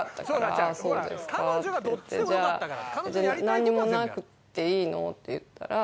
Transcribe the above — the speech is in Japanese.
じゃあなんにもなくていいの？って言ったら。